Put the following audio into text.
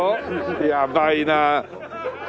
やばいな。